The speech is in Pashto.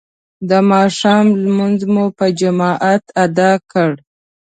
د ماښام لمونځ مو په جماعت ادا کړ.